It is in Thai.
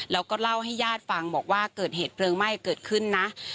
แล้วก็เล่าให้ญาติฟังบอกว่าเกิดเหตุเพลิงไหม้เกิดขึ้นนะ